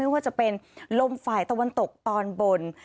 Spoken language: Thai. ว่าจะเป็นลมฝ่ายตะวันตกตอนบน